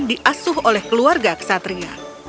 diasuh oleh keluarga kesatria